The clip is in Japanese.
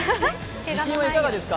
自信はいかがですか。